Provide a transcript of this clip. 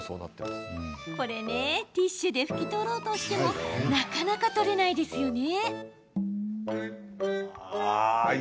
ティッシュで拭き取ろうとしてもなかなか取れないですよね？